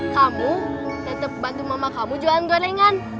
kamu tetap bantu mama kamu jualan gorengan